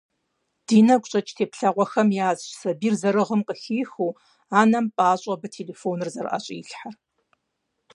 Ди нэгу щӀэкӀ теплъэгъуэхэм язщ сабийр зэрыгъым къыхихыу, анэм пӀащӀэу абы телефоныр зэрыӀэщӀилъхьэр.